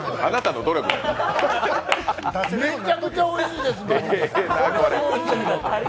めっちゃくちゃおいしいです、マジで。